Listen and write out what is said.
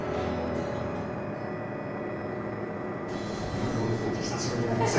森本コーチ、久しぶりに。